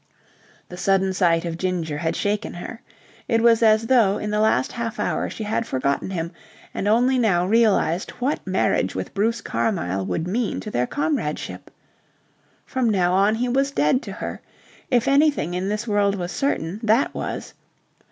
The sudden sight of Ginger had shaken her. It was as though in the last half hour she had forgotten him and only now realized what marriage with Bruce Carmyle would mean to their comradeship. From now on he was dead to her. If anything in this world was certain that was.